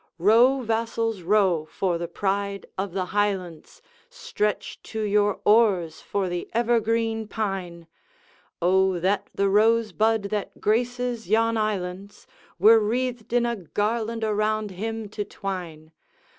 Row, vassals, row, for the pride of the Highlands! Stretch to your oars for the ever green Pine! O that the rosebud that graces yon islands Were wreathed in a garland around him to twine!